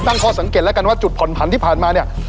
ตั้งคอสังเกตการณ์ล่ะว่าจุดผ่อนผันที่ผ่านมาเนี่ย